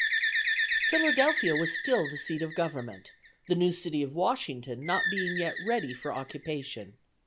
Philadelphia was still the seat of government, the new city of Washington not being yet ready for occupation.